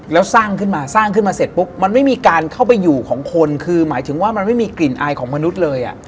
แล้วสร้างขึ้นมาสร้างขึ้นมาเสร็จปุ๊บมันไม่มีการเข้าไปอยู่ของคนคือหมายถึงว่ามันไม่มีกลิ่นอายของมนุษย์เลย